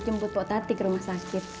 jemput pak tati ke rumah sakit